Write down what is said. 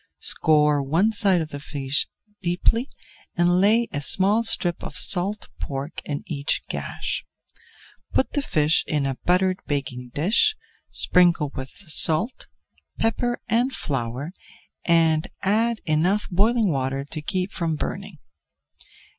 Score one side of the fish deeply and lay a small strip of salt pork in each gash. Put the fish in a buttered baking dish, sprinkle with salt, pepper, and flour, and add enough boiling water to keep from burning.